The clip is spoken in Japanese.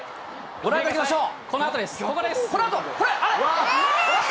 ご覧いただきましょう。